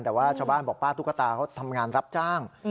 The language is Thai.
แต่ว่าชาวบ้านบอกป้าตุ๊กตาเขาทำงานรับจ้าง